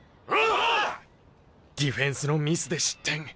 ディフェンスのミスで失点。